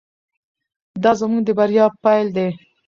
دا زموږ د بریا پیل دی.